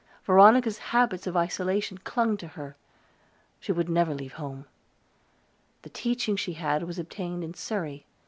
Veronica's habits of isolation clung to her; she would never leave home. The teaching she had was obtained in Surrey.